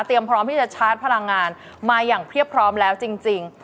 พร้อมที่จะชาร์จพลังงานมาอย่างเรียบพร้อมแล้วจริง